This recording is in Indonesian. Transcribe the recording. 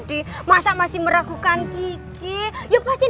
dari siapapun tanpa terkecuali